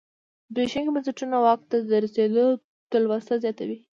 زبېښونکي بنسټونه واک ته د رسېدو تلوسه زیاتوي.